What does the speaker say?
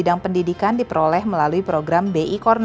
dan memiliki lebih banyak pengetahuan di berbagai bidang